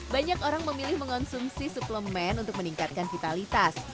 banyak orang memilih mengonsumsi suplemen untuk meningkatkan vitalitas